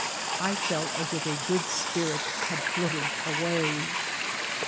I felt as if a good spirit had flitted away.